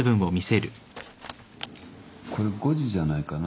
これ誤字じゃないかな。